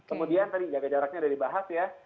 kemudian tadi jaga jaraknya sudah dibahas ya